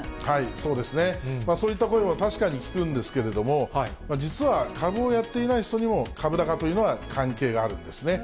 そうですね、そういった声も確かに聞くんですけれども、実は株をやっていない人にも、株高というのは関係があるんですね。